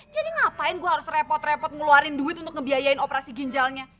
jadi ngapain gue harus repot repot ngeluarin duit untuk ngebiayain operasi ginjalnya